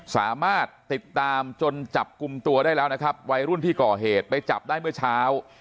สามารถติดตามจนจับกลุ่มตัวได้แล้วนะครับวัยรุ่นที่ก่อเหตุไปจับได้เมื่อเช้า